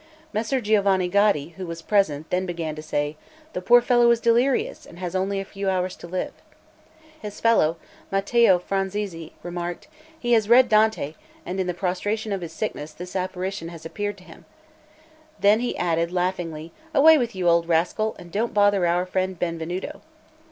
Messer Giovanni Gaddi, who was present, then began to say: "The poor fellow is delirious, and has only a few hours to live." His fellow, Mattio Franzesi, remarked: "He has read Dante, and in the prostration of his sickness this apparition has appeared to him" then he added laughingly: "Away with you, old rascal, and don't bother our friend Benvenuto."